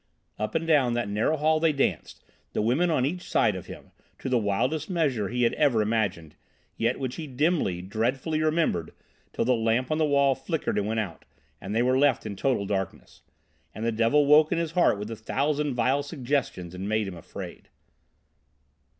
Up and down that narrow hall they danced, the women on each side of him, to the wildest measure he had ever imagined, yet which he dimly, dreadfully remembered, till the lamp on the wall flickered and went out, and they were left in total darkness. And the devil woke in his heart with a thousand vile suggestions and made him afraid.